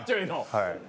はい。